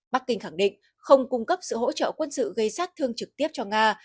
bắc kinh khẳng định không cung cấp sự hỗ trợ quân sự gây sát thương trực tiếp cho nga